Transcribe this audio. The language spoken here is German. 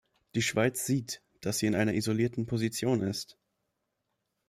Die Schweiz sieht, dass sie in einer isolierten Position ist.